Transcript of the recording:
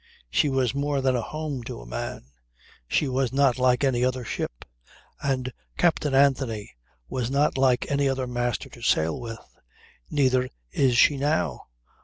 She was more than a home to a man. She was not like any other ship; and Captain Anthony was not like any other master to sail with. Neither is she now.